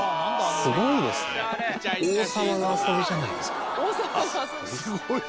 すごいですね。